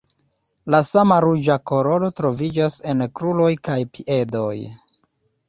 La sama ruĝa koloro troviĝas en kruroj kaj piedoj.